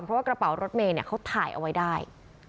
เพราะว่ากระเป๋ารถเมย์เขาถ่ายเอาไว้ได้